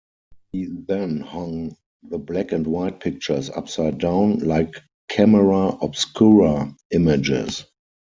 He then hung the black-and-white pictures upside down, like camera obscura images.